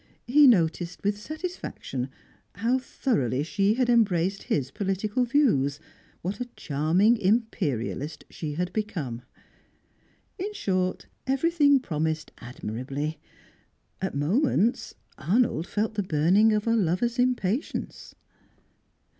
He noted with satisfaction how thoroughly she had embraced his political views, what a charming Imperialist she had become. In short, everything promised admirably. At moments, Arnold felt the burning of a lover's impatience.